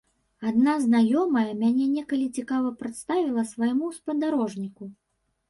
Адна знаёмая мяне некалі цікава прадставіла свайму спадарожніку.